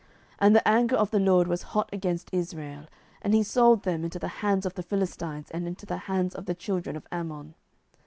07:010:007 And the anger of the LORD was hot against Israel, and he sold them into the hands of the Philistines, and into the hands of the children of Ammon.